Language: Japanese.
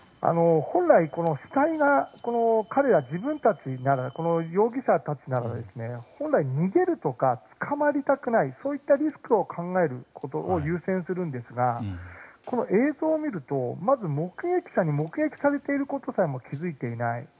本来、主体が彼ら、容疑者たちなら本来、逃げるとか捕まりたくないというリスクを考えることを優先するんですがこの映像を見ると目撃者に目撃されていることさえ気づいていない。